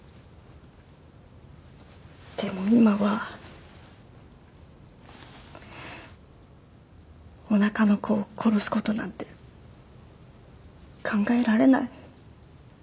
でも今はおなかの子を殺す事なんて考えられない。